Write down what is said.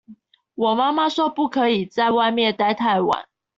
我媽媽說不可以在外面待太晚